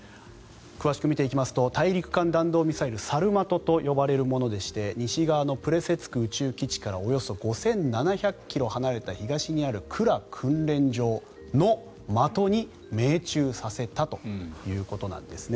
詳しく見ていきますと大陸間弾道ミサイル、サルマトといわれるものでして西側のプレセツク宇宙基地からおよそ５７００ｋｍ離れた東にあるクラ訓練場の的に命中させたということです。